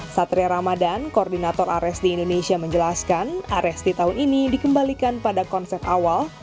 satria ramadan koordinator ares di indonesia menjelaskan aresti tahun ini dikembalikan pada konsep awal